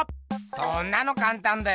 そんなのかんたんだよ！